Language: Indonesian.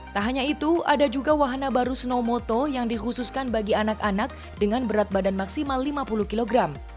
tak hanya itu ada juga wahana baru snowmoto yang dikhususkan bagi anak anak dengan berat badan maksimal lima puluh kg